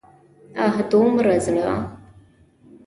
اه! دومره زړه!